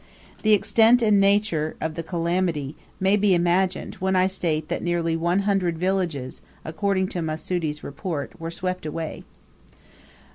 The extent and nature of the calamity may be imagined, when I state that nearly ONE HUNDRED VILLAGES, according to Mussoudi's report, were swept away.